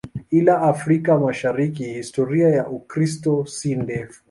Ila Afrika Mashariki historia ya Ukristo si ndefu.